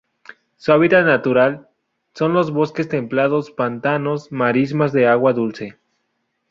Su hábitat natural son los bosques templados, pantanos, marismas de agua dulce.